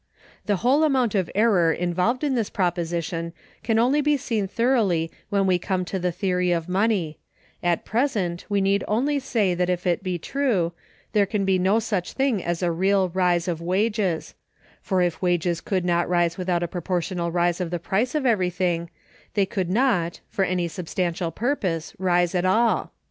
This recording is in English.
The whole amount of error involved in this proposition can only be seen thoroughly when we come to the theory of money; at present we need only say that if it be true, there can be no such thing as a real rise of wages; for if wages could not rise without a proportional rise of the price of everything, they could not, for any substantial purpose, rise at all.